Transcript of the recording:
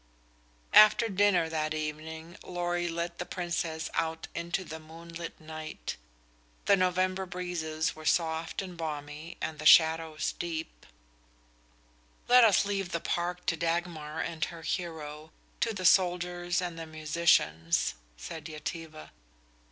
After dinner that evening Lorry led the Princess out into the moonlit night. The November breezes were soft and balmy and the shadows deep. "Let us leave the park to Dagmar and her hero, to the soldiers and the musicians," said Yetive.